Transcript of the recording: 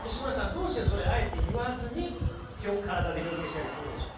どうしてそれあえて言わずに体で表現したりするんでしょう？